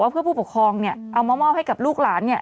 เพื่อผู้ปกครองเอามามอบให้กับลูกหลาน